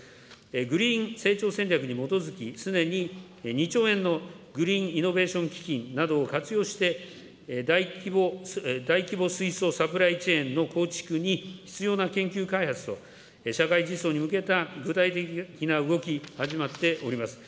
グリーン成長戦略に基づき、すでに２兆円のグリーンイノベーション基金などを活用して、大規模水素サプライチェーンの構築に必要な研究開発と、社会実装に向けた具体的な動き、始まっております。